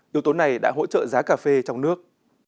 yếu tố này đã hỗ trợ giá cà phê trong nước